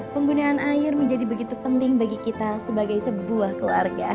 penggunaan air menjadi begitu penting bagi kita sebagai sebuah keluarga